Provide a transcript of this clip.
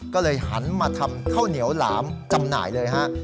ก็เลยหันมาทำข้าวเหนียวหลามจำหน่ายเลยฮะ